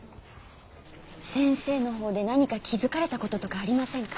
先生の方で何か気付かれたこととかありませんか？